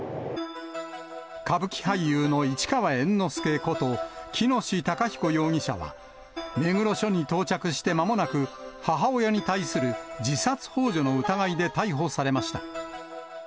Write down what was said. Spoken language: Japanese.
歌舞伎俳優の市川猿之助こと、喜熨斗孝彦容疑者は、目黒署に到着してまもなく、母親に対する自殺ほう助の疑いで逮捕されました。